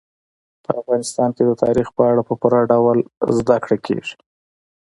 په افغانستان کې د تاریخ په اړه په پوره ډول زده کړه کېږي.